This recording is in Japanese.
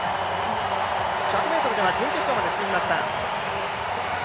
１００ｍでは準決勝まで進みました。